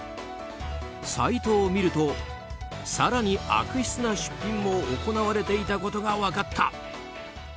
サイトを見ると更に、悪質な出品も行われていたことが分かった。